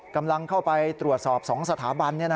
กำลังเข้าไปตรวจสอบ๒สถาบัน